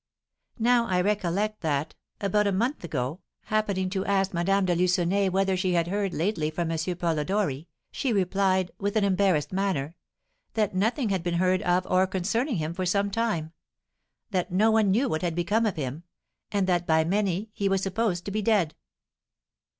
Now I recollect that, about a month ago, happening to ask Madame de Lucenay whether she had heard lately from M. Polidori, she replied, with an embarrassed manner, 'that nothing had been heard of or concerning him for some time; that no one knew what had become of him; and that by many he was supposed to be dead.'"